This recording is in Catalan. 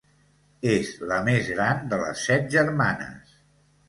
És la més gran de les Set Germanes.